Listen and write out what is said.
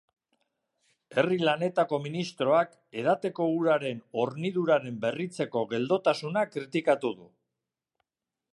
Herri-lanetako ministroak edateko uraren horniduraren berritzeko geldotasuna kritikatu du.